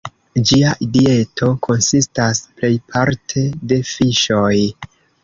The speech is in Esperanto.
Ĝia dieto konsistas plejparte de fiŝoj.